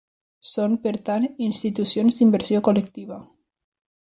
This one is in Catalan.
Són, per tant, institucions d'inversió col·lectiva.